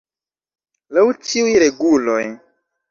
Laŭ ĉiuj reguloj!